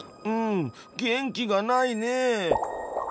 うん元気がないね。